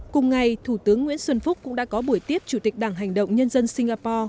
cùng ngày thủ tướng nguyễn xuân phúc cũng đã có buổi tiếp chủ tịch đảng hành động nhân dân singapore